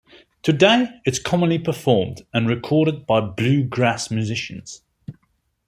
Today it is commonly performed and recorded by bluegrass musicians.